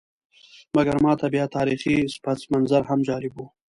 مګر ماته بیا تاریخي پسمنظر هم جالب وي.